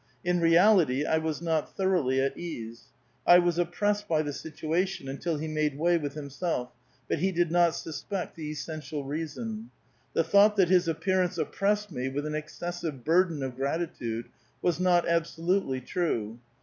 In reality, I was not thoi*ouglily at ease ; I was oppi*essed by the situation, until he made way with himself ; but he did not suspect the essential reason. The thought that his appearance oppressed me with an excessive burden of grati tude was not absolutely true.